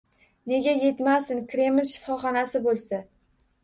— Nega yetmasin, Kreml shifoxonasi bo‘lsa!